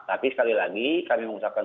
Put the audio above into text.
tapi sekali lagi kami mengucapkan